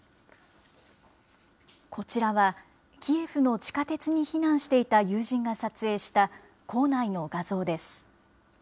こちらは、キエフの地下鉄に避難していた友人が撮影した、構内の画像です。